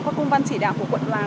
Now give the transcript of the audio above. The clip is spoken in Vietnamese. các công văn chỉ đạo của quận đoàn